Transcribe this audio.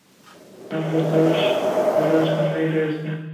দশ নম্বর ঘোড়া সামনেই রয়েছে।